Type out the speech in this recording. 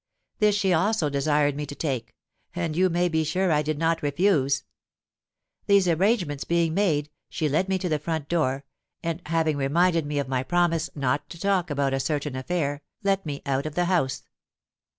This she also desired me to take; and you may be sure I did not refuse. These arrangements being made, she led me to the front door, and having reminded me of my promise not to talk about a certain affair, let me out of the house.